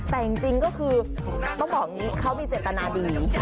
แต่คือต้องบอกว่าเขามีเจรจนาดี